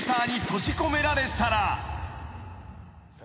閉じ込められたら。